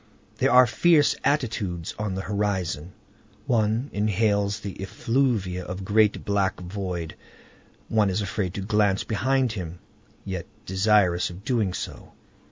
There are fierce attitudes on the horizon. One inhales the effluvia of the great black void. One is afraid to glance behind him, yet desirous of doing so.